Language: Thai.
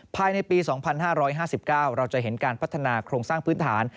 ภายในปี๒๕๕๙เราจะเห็นการพัฒนาโครงสร้างพื้นฐาน